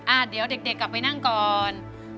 เดี๋ยวเด็กกลับไปนั่งก่อน